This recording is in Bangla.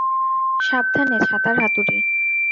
সাবধানে, ছাতার হাতুড়ি!